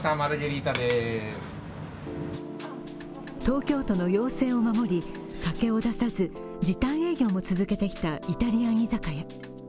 東京都の要請を守り、酒を出さず時短営業も続けてきたイタリアン居酒屋。